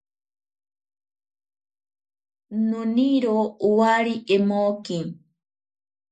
Noniro owari emoki.